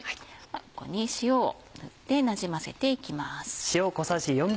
ここに塩を振ってなじませていきます。